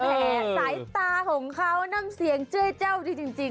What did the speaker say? สายตาของเขานั่งเสียงเจ้าดีจริง